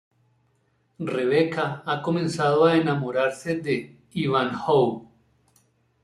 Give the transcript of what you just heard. Rebeca ha comenzado a enamorarse de Ivanhoe.